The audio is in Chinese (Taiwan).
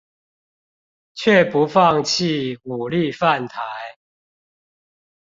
卻不放棄武力犯台